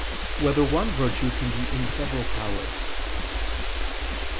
2] Whether One Virtue Can Be in Several Powers?